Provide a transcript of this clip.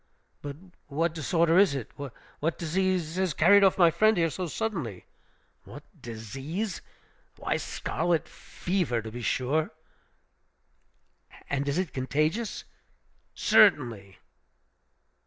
"But what disorder is it? What disease has carried off my friend here so suddenly?" "What disease? Why, scarlet fever, to be sure." "And is it contagious?" "Certainly!"